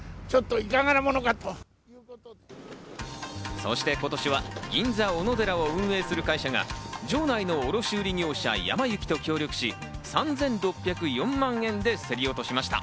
そして今年は銀座おのでらを運営する会社が場内の卸売業者・やま幸と協力し、３６０４万円で競り落としました。